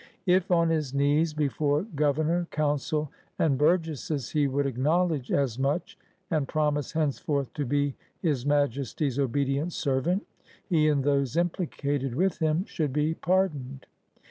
If, on his knees before Governor, Council, and Burgesses, he would acknowledge as much and promise henceforth to be his Majesty's obedient servant, he and those implicated with him should be pardoned.